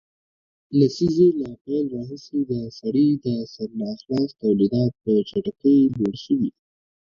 لسیزې له پیل راهیسې د سړي د سر ناخالص تولیدات په چټکۍ لوړ شوي